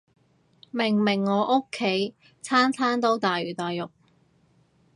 明明我屋企餐餐都大魚大肉